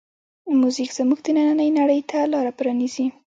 موزیک زمونږ دنننۍ نړۍ ته لاره پرانیزي.